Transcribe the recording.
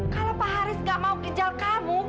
kalau pak haris gak mau ginjal kamu